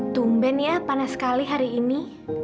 tumben ya panas sekali hari ini